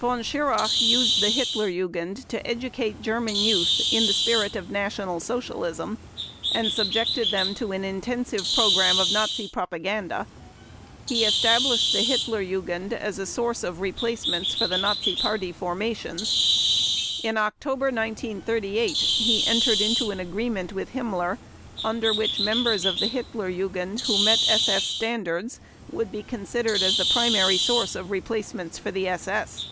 Von Schirach used the Hitler Jugend to educate German Youth "in the spirit of National Socialism" and subjected them to an intensive program of Nazi propaganda. He established the Hitler Jugend as a source of replacements for the Nazi Party formations. In October 1938 he entered into an agreement with Himmler under which members of the Hitler Jugend who met SS standards would be considered as the primary source of replacements for the SS.